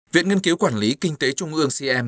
viện nghiên cứu quản lý kinh tế trung ương cm